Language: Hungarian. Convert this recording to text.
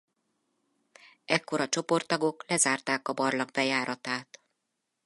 Ekkor a csoporttagok lezárták a barlang bejáratát.